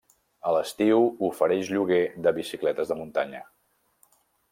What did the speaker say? A l'estiu ofereix lloguer de bicicletes de muntanya.